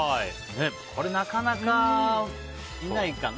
これ、なかなかいないかな。